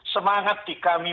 semangat di kami